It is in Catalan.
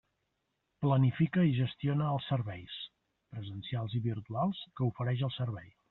Planifica i gestiona els serveis, presencials i virtuals, que ofereix el Servei.